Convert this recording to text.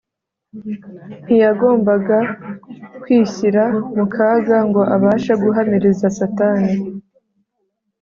. Ntiyagombaga kwishyira mu kaga ngo abashe guhamiriza Satani.